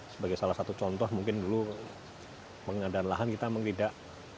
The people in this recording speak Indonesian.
sebagai salah satu contoh mungkin dulu pengadaan lahan kita memang tidak